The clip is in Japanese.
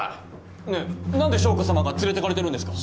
ねえ何で将子さまが連れてかれてるんですか！？